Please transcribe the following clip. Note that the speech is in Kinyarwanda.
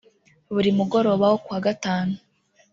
Buri mugoroba wo ku wa gatanu